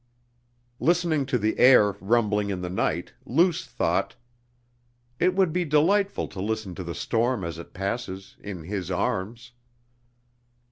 Listening to the air rumbling in the night, Luce thought: "It would be delightful to listen to the storm as it passes, in his arms."